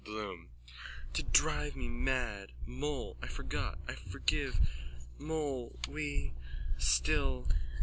BLOOM: To drive me mad! Moll! I forgot! Forgive! Moll... We... Still...